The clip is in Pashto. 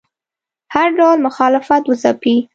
هر ډول مخالفت وځپي